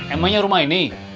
emanya rumah ini